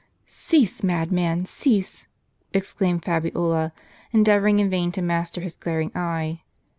'"*" Cease, madman, cease !" exclaimed Fabiola, endeavoring in vain to master his glaring eye.